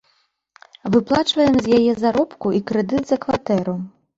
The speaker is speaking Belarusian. Выплачваем з яе заробку і крэдыт за кватэру.